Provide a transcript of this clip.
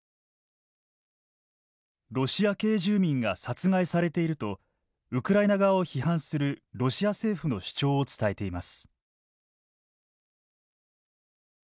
ロシア系住民が殺害されているとウクライナ側を批判するロシア政府の主張を伝えています。